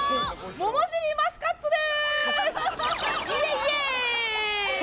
桃尻マスカッツです。